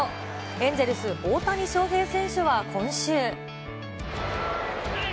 エンゼルス、大谷翔平選手は今週。